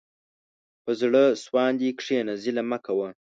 په زړه سواندي کښېنه، ظلم مه کوه.